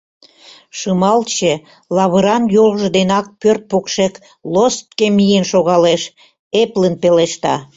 — Шымалче лавыран йолжо денак пӧрт покшек лостке миен шогалеш, эплын пелешта.